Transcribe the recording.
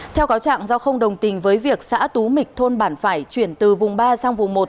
theo cáo trạng do không đồng tình với việc xã tú mịch thôn bản phải chuyển từ vùng ba sang vùng một